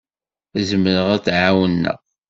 Zemreɣ ad d-ɛawneɣ.